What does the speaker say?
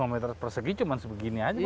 lima meter persegi cuma sebegini saja pak